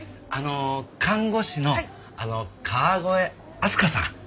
あの看護師の川越明日香さん